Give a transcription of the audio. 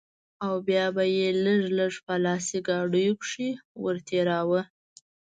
او بيا به يې لږ لږ په لاسي ګاډيو کښې ورتېراوه.